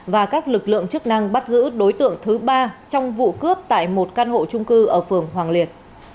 và các lực lượng chức năng bắt giữ đối tượng thứ ba trong vụ cướp tại một căn hộ trung cư ở phường hoàng liệt